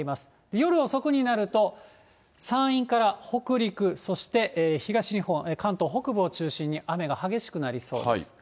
夜遅くになると、山陰から北陸、そして、東日本、関東北部を中心に雨が激しくなりそうです。